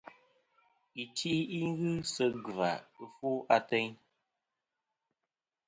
Iti ghɨ sɨ gvà ɨfwo ateyn.